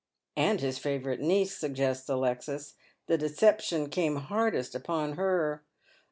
"And his favourite niece," suggests Alexis. "The deception came hardest upon her."